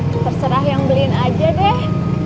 terserah yang beliin aja deh